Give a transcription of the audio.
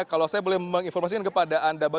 kalau saya boleh menginformasikan kepada anda